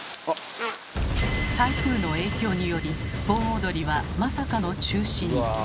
台風の影響により盆踊りはまさかの中止に。